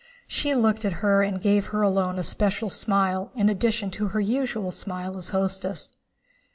She looked at her and gave her alone a special smile in addition to her usual smile as hostess.